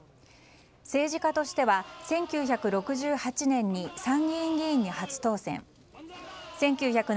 政治家としては１９６８年に参議院議員に初当選。